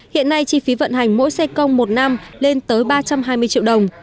hiện nay chi phí vận hành mỗi xe công một năm lên tới ba trăm hai mươi triệu đồng